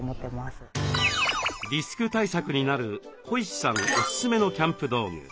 リスク対策になるこいしさんおすすめのキャンプ道具。